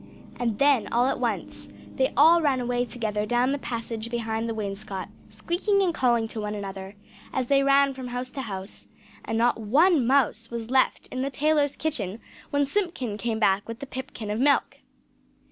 And then all at once they all ran away together down the passage behind the wainscot, squeaking and calling to one another, as they ran from house to house; and not one mouse was left in the tailor's kitchen when Simpkin came back with the pipkin of milk!